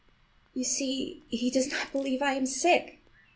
You see, he does not believe I am sick!